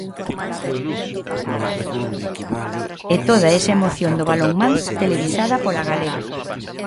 E toda esa emoción do balonmán televisada pola Galega.